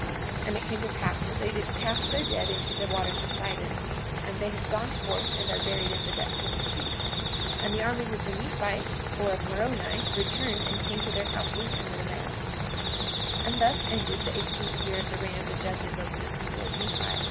44:22 And it came to pass that they did cast their dead into the waters of Sidon, and they have gone forth and are buried in the depths of the sea. 44:23 And the armies of the Nephites, or of Moroni, returned and came to their houses and their lands. 44:24 And thus ended the eighteenth year of the reign of the judges over the people of Nephi.